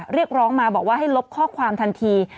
เรียกร้องมาบอกว่าให้ลบข้อความทันที